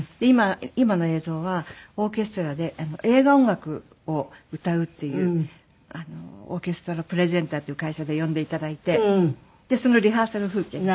今の映像はオーケストラで映画音楽を歌うっていうオーケストラプレゼンターっていう会社で呼んでいただいてそのリハーサル風景です。